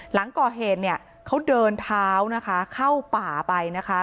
หลังก่อเหตุเนี่ยเขาเดินเท้านะคะเข้าป่าไปนะคะ